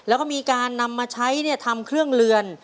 แล้วก็มีการนำมาใช้ทำเครื่องเรือน